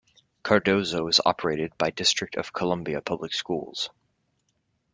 Cardozo is operated by District of Columbia Public Schools.